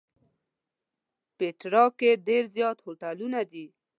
پېټرا کې ډېر زیات هوټلونه دي.